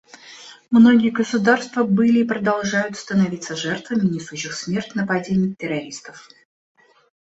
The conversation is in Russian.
Многие государства были и продолжают становиться жертвами несущих смерть нападений террористов.